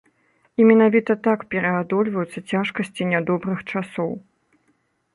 І менавіта так пераадольваюцца цяжкасці нядобрых часоў.